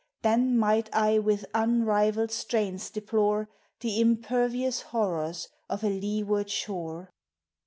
Then might I with unrivalled strains deplore The impervious horrors of a leeward shore